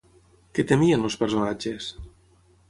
Què temien els personatges?